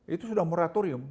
itu sudah moratorium